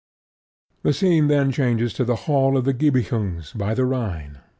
The scene then changes to the hall of the Gibichungs by the Rhine.